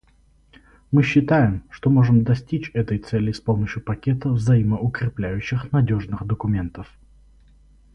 Мы считаем, что можем достичь этой цели с помощью пакета взаимоукрепляющих надежных документов.